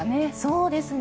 そうですね。